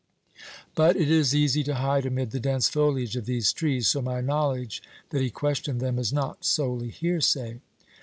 "But it is easy to hide amid the dense foliage of these trees, so my knowledge that he questioned them is not solely hearsay.